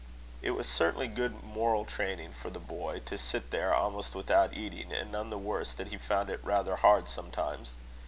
It was certainly good moral training for the boy, to sit there almost without eating; and none the worse that he found it rather hard sometimes.